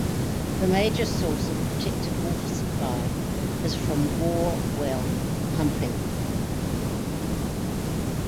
The major source of protected water supply is from bore well pumping.